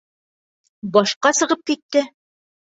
Башҡа сығып китте.